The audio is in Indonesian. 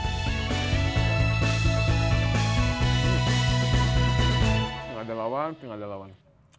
tidak ada lawan tapi tidak ada lawan